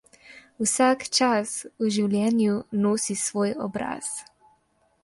Vsak čas v življenju nosi svoj obraz.